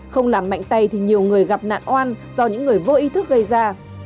không làm mạnh tay thì nhiều người gặp nạn oan do những người vô ý thức gây ra